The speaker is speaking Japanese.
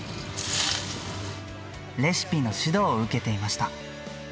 レシピの指導を受けていました。